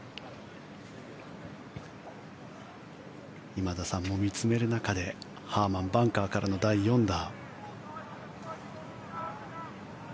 今田さんも見つめる中でハーマンバンカーからの第４打。